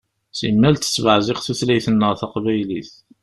Simmal tettbeɛziq tutlayt-nneɣ taqbaylit.